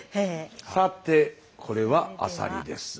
さてこれはアサリです。